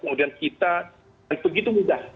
kemudian kita dan begitu mudah